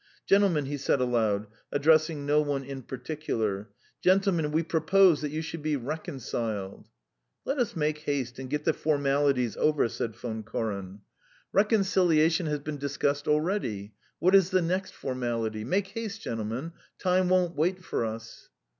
"Gentlemen," he said aloud, addressing no one in particular. "Gentlemen, we propose that you should be reconciled." "Let us make haste and get the formalities over," said Von Koren. "Reconciliation has been discussed already. What is the next formality? Make haste, gentlemen, time won't wait for us."